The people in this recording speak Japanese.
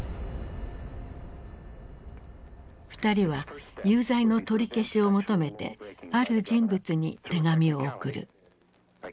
二人は有罪の取り消しを求めてある人物に手紙を送る。